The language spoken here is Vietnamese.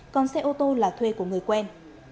còn xe ô tô là thuê của người quen